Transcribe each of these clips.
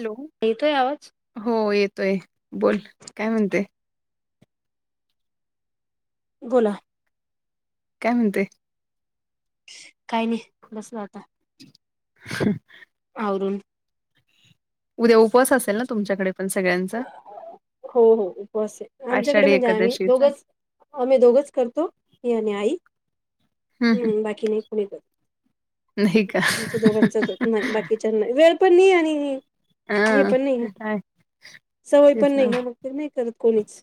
Hello येतोय आवाज हो येतोय बोल काय म्हणते? बोला काय म्हणते? काही नाही, बसलं आता. ह अवरून उद्या उपवास असेल ना तुमच्याकडे पण सगळ्यांचा? हो-हो उपवास ये आमच्याकडे आषाढी म्हणजे आम्ही एकादशीचा दोघच आम्ही दोघच करतो मी आणि आई हम्म.. बाकी नाही कोणी करत. नाही का? आमच्या दोघांचाच नाही बाकीच्या नाही., वेळ पण नाही आणि हे हा पण नाही ना. ते तर आहेच. सवय पण नाही ना मग ते नाही करत कोणीच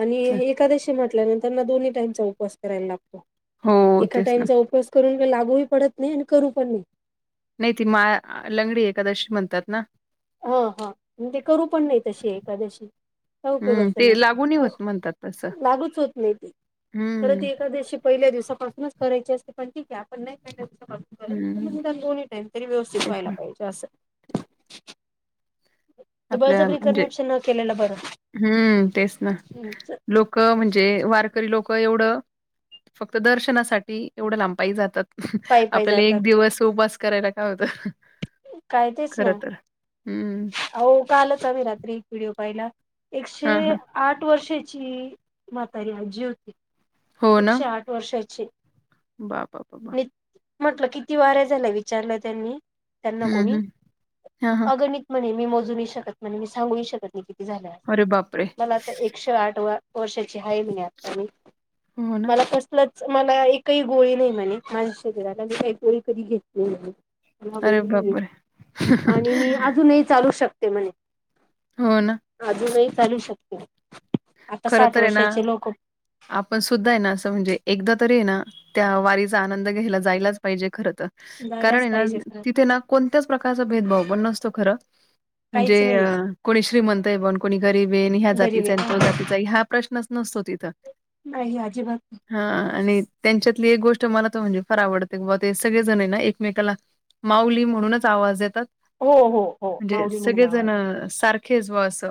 आणि एकादशी म्हटल्यानंतर दोन्ही टाईमचा उपवास करायला लागतो., हो एका तेच ना टाइमचा उपवास करून लागू ही पडत नाही., आणि करू पण नाही. नाही ती मा लंगडी एखादशी म्हणतात ना? हा-हा ते करू पण नाही. तशी एखाद्याशी काय हम्म उपयोगाचं ते नसतं. लागू म्हणतात तस लागूच होत नाही ती खरं ती एखाद्याशी पहिल्या दिवसापासूनच करायची असते पण ठीक आहे., आपण नाही पहिल्या दिवसापासून हम्म बर दोन्ही टाईम तरी व्यवस्थित तेच व्हायला ना पाहिजे असं. तेच ते आपल्या बळजबरी म्हणजे करण्यापेक्षा न केलेलं बरं हम्म.... तेच ना लोक लोक म्हणजे, वारकरी लोकं एवढं फक्त दर्शनासाठी एवढं लांब पाई जातात. पायी पायी आपल्याला जातात. एक दिवस उपवास करायला काय होतं? काय तेच खर ना तर हम्म अहो कालच आम्ही रात्री एक व्हिडिओ पाहिला एकशे हां, हां. आठ वर्षाची म्हातारी आजी होती. एकशे आठ वर्षाची बा-बा- बा न म्हटलं किती वाऱ्या झाल्या विचारला त्यांनी त्यांना हं, कोणी हं. हां, हां. अगणित म्हणे मी मोजूनही शकत म्हणे, मी सांगू ही शकत नाही कि झाल्या असतील अरे बापरे! मला आता एकशे आठ व वर्षाची हाय म्हणे आता मी. हो ना. मला कसलंच मला एकही गोळी नाही म्हणे माझ्या शरीराला मी काही गोळी कधी घेतली अरे नाही. बापरे! आणि मी अजूनही चालू शकते म्हणे. हो ना. अजूनही चालू शकते. आता खर साठ तर आहे ना वर्षाचे लोक आपण सुद्धा आहे ना असं म्हणजे एकदा तरी आहे ना त्या वारीचा आनंद घ्यायला जायलाच पाहिजे खर तर जायलाच कारण ना पाहिजे खरं तिथे ना कोणत्याच प्रकारचा भेदभाव पण नसतो खरं म्हणजे काहीच अ नाहीये कोणी श्रीमंत आहे बण कोणी गरीबेन ह्या गरीब जातीचाय अ आहे त अहं. जातिचा हा प्रश्नच नसतो तिथं. नाही अजिबात हा आणि त्यांच्यातली एक गोष्ट मला तर म्हणजे फार आवडते बाबा ते सगळेजण आहे ना एकमेकाला माऊली म्हणूनच आवाज येतात हो हो हो म्हणजे माऊली म्हणून आवाज येतो. सगळेजण सार खेच वा अस.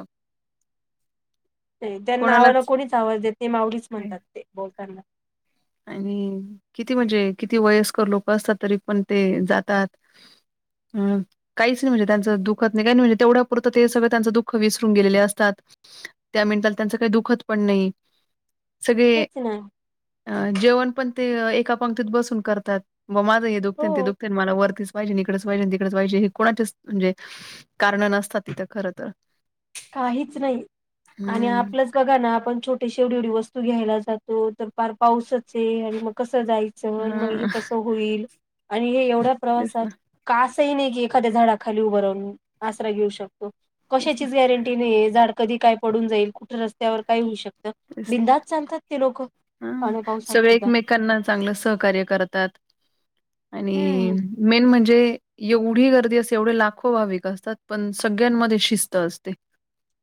त्यांना नावाला कोणालाच कोणीच आवाज देत नाही ते माऊलीच काय. म्हणतात ते बोलताना. आणि किती म्हणजे किती वयस्कर लोक असतात तरी पण ते जातात. हम्म. काहीच नाही म्हणजे त्यांचं दुखत नाही काही नाही म्हणजे तेवढ्यापुरत ते सगळं त्यांच दुःख विसरून गेलेले असतात. त्या मिनटात त्यांचं काही दुःखत पण नाही. सगळे तेच ना. जेवण पण ते एका पंक्तीत बसून करतात व माझं हे दुखतेन ते हो. दुखतेन मला वरतीच ज इकडेच पाहिजे, तिकडेच पाहिजे, हे कोणाचेच म्हणजे कारण नसतात तिथं खर तर. काहीच नाही आणि हं. आपलंच बघा ना आपण छोट एवढी एवढी वस्तू घ्यायला जातो तर फार पाऊसच आहे आणि मग कसं जायचं? मग हे हां. कस होईल आणि हे एवढ्या तेच प्रवासात ना, आसही नाही की एखाद्या झाडाखाली उभं राहून आसरा घेऊ शकतो तेच कशाची ना, गॅरंटी नाहीे झाड कधी काय पडून जाईल कुठे रस्त्यावर काय होऊ शकत. तेच. बिंदास्त चालतात ते लोक पाण्या पावसात सुद्धा. कांना चांगलं सहकार्य करतात आणि हम्म मेन म्हणजे एवढी गर्दी असते एवढे लाखो भाविक असतात पण सगळ्यांमध्ये शिस्त असते.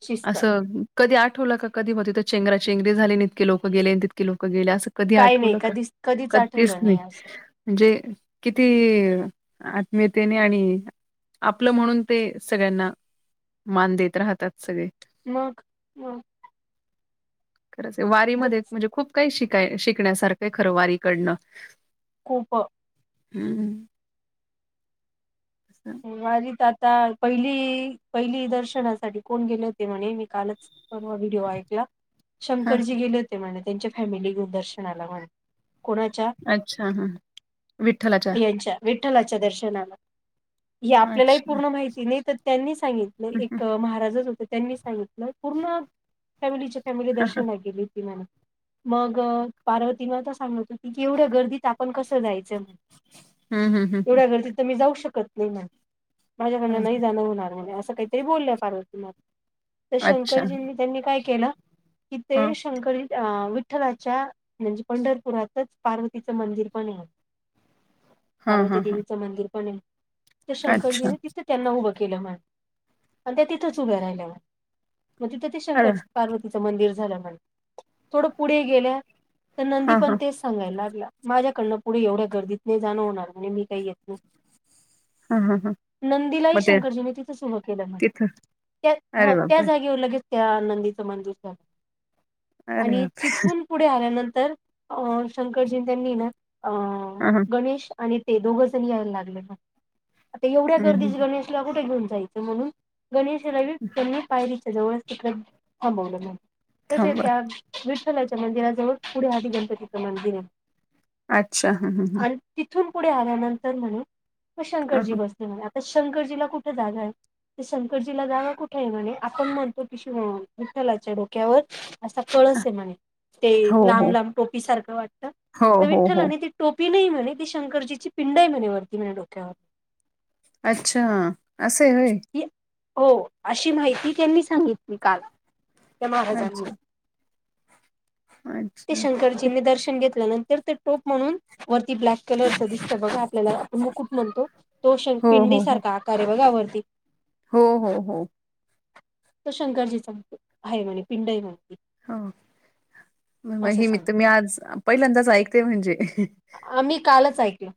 शिस्त असं कधी आठवल का कधी होती त्या चेंगरा चेंगरी झाली न इतके लोक गेले तितके लोक गेले अस कधी काय नाही आठवलं का कधीच कधीच आठवलं नाही. असं म्हणजे किती आत्मीयतेने आणि आपलं म्हणून ते सगळ्यांना मान देत राहतात सगळे. मग मग. खरंच वारीमध्ये म्हणजे खूप काही शिकाय शिकण्यासारखं आहे खरं वारीकडनं. खूप. हम्म. वारीत आता पहिली पहिली दर्शनासाठी कोण गेले होते म्हणे मी कालच पण व्हिडिओ ऐकला हा शंकरजी गेले होते म्हणे त्यांच्या फॅमिली घेऊन दर्शनाला म्हणे. कोणाच्या? अच्छा हा विठ्ठलाच्या याच्या विठ्ठलाच्या दर्शनाला. हे आपल्यालाही अच्छा. पूर्ण माहिती नाही तर त्यांनी सांगितलं एक महाराजच होत त्यांनी सांगीतलं पूर्ण फॅमिलीच्या फॅमिली दर्शनाला गेली होती म्हणे. मग पार्वती माता सांगत होती की एवढ्या गर्दीत आपण कसं जायचं? हम्म हम्म हम्म. एवढ्या गर्दी तर मी जाऊ शकत नाही म्हण हा माझ्याकडन नाही जाणं होणार म्हणे असं काही तरी बोलल्या पारत मग तर अच्छा शंकरजींनी त्यांनी काय केलं इथे हा शंकरीत अ वीट विठ्ठलाच्या म्हणजे पंढरपुरातच पार्वतीचं मंदिर पण आहे हा पार्वती हा हा देवीचं मंदिर पण आहे तर शंकरजी अच्छा तिथ त्यांना उभं केलं म्हण आणि त्या तिथंच उभ्या राहिल्या म्हण मग तिथं ते अरे शंकर पार्वतीच मंदिर झालय म्हणे थोड पुढे गेल्या तर नंदी हा हा पण तेच सांगाय लागला माझ्याकडनं पुढे एवढ्या गर्दीत नाही जाणं होणार म्हणे मी काही येत नाही हा हा हा नंदीलाही मग ते शंकरजीनी तिथंच उभ केलं म्हणे तिथं त्या अरे हो त्या बापरे जागेवर लगेच त्या नंदीच मंदिर झालं अरे आणि बापरे तिथून पुढे आल्यानंतर अ शंकरजीं अन् त्यांनी ना अ हा हा गणेश आणि ते दोघं जण यायला लागले मग आता एवढ्या हम्म गर्दीच हम्म गणेशला कुठे घेऊन जायचं म्हणून गणेशाला त्यांनी पायरीच्या जवळच तिकंडेच थांबवलं म्हणे तशे थांबा त्या विठ्ठलाच्या मंदिराजवळ पुढे आधी गणपतीचं मंदिर आहे अच्छा हं हं हं आणि तिथून पुढे आल्यानंतर म्हणे मग हा शंकरजी हा बसले म्हणे आता शंकरजीला कुठ जागा आहे तर शंकरजीला जागा कुठ आहे म्हणे आपण म्हणतो की शिव विठ्ठलाच्या डोक्यावर असा कळस आहे म्हणे ते हो लांब हो लांब टोपी सारखं वाटत हो तर हो हो विठ्ठलाने ती टोपी नाही म्हणे ती शंकरजीची पिंड आहे म्हणे वरती म्हणे डोक्यावर अच्छा अस आहे होय ही हो अशी माहिती त्यांनी सांगितली काल त्या अच्छा, महाराजांनी ते अच्छा. शंकरजीनी दर्शन घेतल्यानंतर ते टोप म्हणून वरती ब्लॅ हां. कलरच दिसत बघा आपल्याला मुकुट म्हणतो तो शंक हो, पिंडी हो, हो. सारखा आकार आहे बघा वरती हो हो हो तो शंकरजीचा मुकुट आहे म्हणे पिंड आहे म्हणे ती हो म असं हे मि सांग तर मी आज पहिल्यांदाच ऐकते म्हणजे आम्ही कालच ऐकलो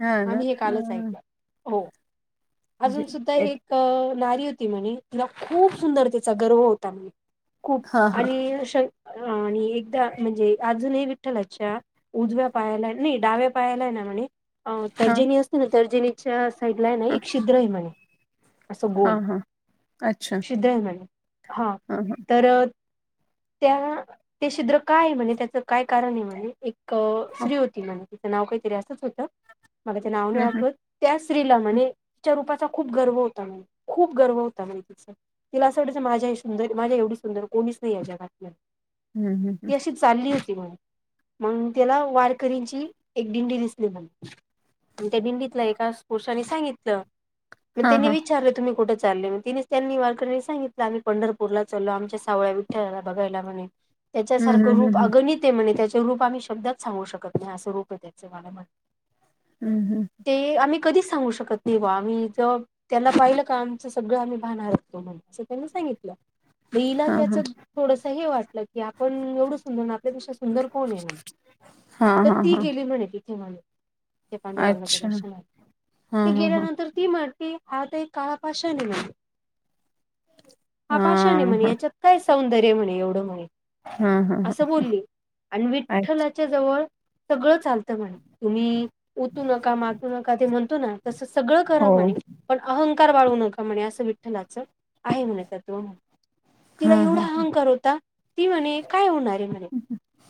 हां ना. आम्ही हे हां, कालच हां. ऐकलो हो अजून सुद्धा एक नारी होती म्हणे तिला खूप सुंदर तिचा गर्व होता खूप हां, हां. आणि शंक आणि एकदा म्हणजे अजूनही विठ्ठलाच्या उजव्या पायाला नाही डाव्या पायाला आहे ना म्हणे अ हां, तर्जनी असते ना तर्जनीच्या साईड ला आहे ना एक छिद्र आहे म्हणे असं गोल हा हा छिद्र आहे म्हणे हा हां, हां. तर त्या ते छिद्र का आहे म्हणे त्याचं काय कारण आहे म्हणे एक हां. स्त्री होती म्हणे तिचं नाव कायतरी असंच होतं मला ते नाव नाही हं, हं, हं. आठवत त्या स्त्रीला म्हणे तिच्या रूपाचा खूप गर्व होता म्हणे खूप गर्व होता म्हणे तिचा तिला असं वाटायच माझ्या सुंदर माझ्या एवढी सुंदर कोणीच नाही या जगात मध्ये हू हू चालली होती म्हणे मग तिला वारकरिची एक दिंडी दिसली म्हणे आणि त्या दिंडीतल्या एका पुरुषाने सांगितलं मग हां, त्यांनी हां. विचारलं तुम्ही कुठं चालले तिनी त्यांनी वारक्यांनी सांगितलं आम्ही पंढरपूरला चालो आमच्या सावळ्या विठ्ठालाला बघायला म्हणे हं, त्याच्यासारखं हं, हं, रूप हं. अगणित आहे म्हणे त्याचे रूप आम्ही शब्दात सांगू शकत नाही असं रूप आहे त्याचं वाल म्हणे हू हू. ते आम्ही कधीच सांगू शकत नई बुवा... आम्ही जर त्यांना पाहिलं का, आमचं सगळं आम्ही भानावर येतो. असं त्यांनी सांगितलं... मग हिला हां, त्याचं हां. असं ही वाटलं की... आपण एवढं सुंदर ना... अन आपल्या पेक्षा सुंदर कोण ए म्हणून... हां, तर हां, ती हां. गेली तिथं म्हणे... [unintelligible] ये पांडुरंगाच्या अच्छा. दर्शनाला... ती हां, हां, हां. गेल्यानंतर ती म्हणती... हा तर एक काळा पाषाण ए म्हणे. हा पाषाण ए हां, म्हणे... हां. याच्यात काय सौंदर्य ए म्हणे... एवढं म्हणे. हां, हां, हां. असं बोलली... आणि अ विठ्ठलाच्या जवळ, सगळं चालतं म्हणे तुम्ही... उतू नका, मातू नका, ते म्हणतो ना... तसं सगळं करा हो. म्हणे पण अहंकार बाळगु नका म्हणे... असं विठ्ठलाचं आहे म्हणे, तत्व म्हणे. तिला हां, एवढा हां, हां. अहंकार होता... ती म्हणे काय होणार ए म्हणे...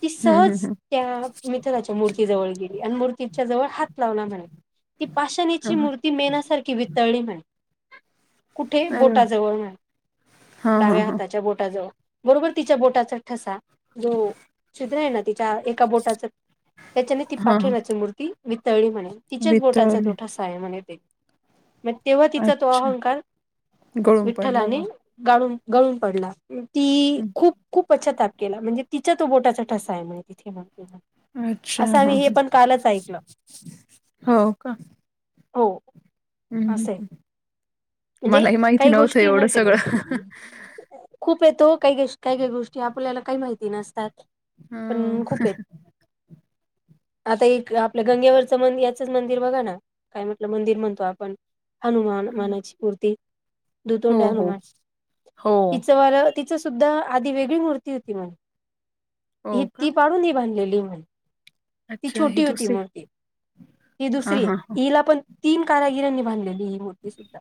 ती हं, हं, सहज हं. त्या विठ्ठलाच्या मूर्ती जवळ गेली... आणि मूर्तीच्या जवळ हात लावला म्हणे ती पाशाणेची हां, हां. मूर्ती... मेणासारखी वितळली म्हणे. कुठे? अरे वाह! बोटाजवळ म्हण... हां, हां, डाव्या हां. हाताच्या बोटाजवळ. बरोबर तिच्या बोटाचा ठसा... जो छिद्र ए ना तिच्या एका बोटाचं त्याच्याने ती हां, हां. पाखेनाची मूर्ती वितळली म्हणे... तिच्याच बोटाचा वितळले. तो ठसा आहे म्हणे ते. मग, तेव्हा तिचा तो अच्छा. अहंकार... गळून पडला विठ्ठलाने बा. गाळून, गळून पडला. ती... हं. खूप, खूप पश्चाताप केला, म्हणजे तिच्या तो बोटाचा ठसा आहे म्हणे तिथे [unintelligible] अच्छा असं हा... आम्ही हे पण कालच ऐकलं हो का? हो. हं, हं, आसं ए... हं. म्हणजे, मलाही माहिती काई नव्हतं गोष्टी एवढं येणार सगळं. तेनी [unintelligible] खूप हायत ओ... काई गोष्टी... काई काई गोष्टी आपल्याला काही माहिती नसतात, पण हं. खूप हेत. [unintelligible] आता एक... आपलं गंगेवरचं, याचंच मंदिर बघा ना, काय म्हटलं, मंदिर म्हणतो आपण. हनुमान, मानाची मूर्ती, दुतोंड्या हो, हो. हनुमान... हो. इचंवालं तिचं सुद्धा... आधी वेगळी मूर्ती होती म्हणे. ही, हो का? ती पाडूनी बांधलेली ए म्हणे ती अच्छा ही छोटी होती दुसरी मूर्ती... ही हां, दुसरी ए, हां, हां. हिला पण तीन कारागिरांनी बांधलेली, ही मूर्ती सुद्धा.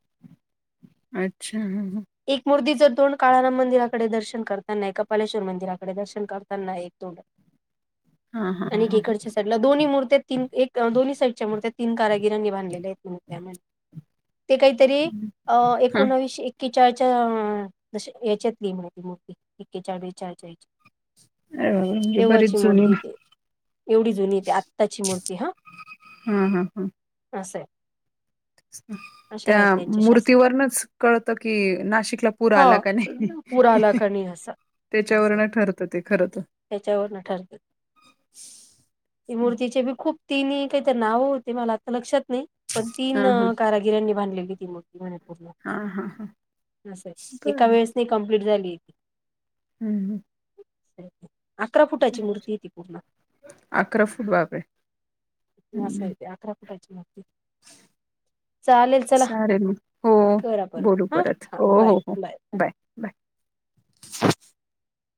अच्छा. हं, हं. एक मूर्तीचं तोंड काळाराम मंदिराकडे दर्शन करताना, एक कपालेश्वर मंदिराकडे दर्शन करताना, एक तोंडात, हां, हां, आणि हां, ऐकी हां. कडच्या त्यातल्या दोन्ही मूर्त्या तीन, एक... दोनी साईटच्या मुर्त्या, तीन कारागीरांनी बांधलेल्या हेत मूर्त्या [unintelligible] ते काईतरी, हं. अं... हां. एकोणवीसशे एक्केचाळच्या दश... येच्यात. [unintelligible] मूर्ती ऐक्केचाळ, बेचाळच्या हेच्यात... अरे बापरे! म्हणजे बरीच तेव्हाची जुनी मूर्ती ए ती. एवढी जुनी ए ती... आत्ताची मूर्ती हा, हां, हां, हां. असं ए. त्या शासन मूर्तीवरनंच, कळतं की, नाशिकला पूर आला हा की नई. पूर आला का नाही असा त्याच्यावरूनच ठरतं ते खरं तर. त्याच्यावरनं ठरतं. ती मूर्तीचे बी... खूप तिन्ही काहीतरी नावं होते, मला आता लक्षात नाई. पण तीन हां, हां. कारागिरांनी बांधलेली ती मूर्ति म्हणे. पूर्ण... हां, हां, हां. आसं ए... एका बरं. वेळेस नई कंप्लीट झाली ती. हू. [inaudible] अकरा फुटाची मूर्ती ती पूर्ण. अकरा फूट... बाप रे! हे अस आहे ते अकरा फुटाची [inaudible] मूर्ति. [unintelligible] चला साऱ्यांनी हो करा बोलू हा परत हा हो बाय बाय हो बाय. बाय.